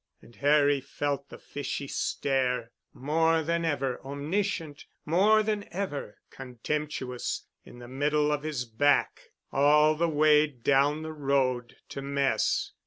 And Harry felt the fishy stare, more than ever omniscient, more than ever contemptuous, in the middle of his back, all the way down the road to mess.